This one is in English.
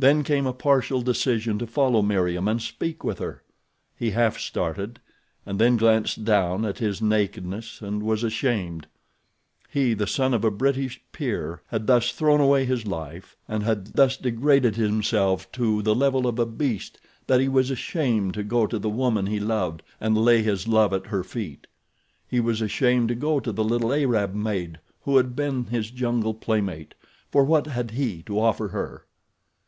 Then came a partial decision to follow Meriem and speak with her. He half started, and then glanced down at his nakedness and was ashamed. He, the son of a British peer, had thus thrown away his life, had thus degraded himself to the level of a beast that he was ashamed to go to the woman he loved and lay his love at her feet. He was ashamed to go to the little Arab maid who had been his jungle playmate, for what had he to offer her?